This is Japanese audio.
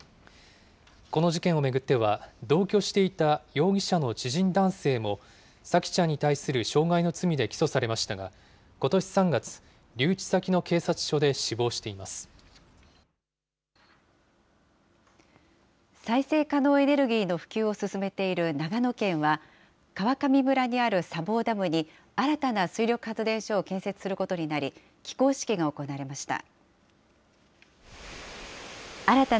この事件を巡っては、同居していた容疑者の知人男性も、沙季ちゃんに対する傷害の罪で起訴されましたが、ことし３月、留置先の警再生可能エネルギーの普及を進めている長野県は、川上村にある砂防ダムに、新たな水力発電所を建設することになり、起工式が行われました。